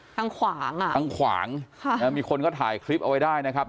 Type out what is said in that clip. ทางขวางอ่ะทางขวางมีคนก็ถ่ายคลิปเอาไว้ได้นะครับ